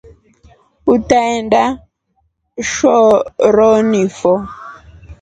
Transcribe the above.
Utaenda shoroni fo.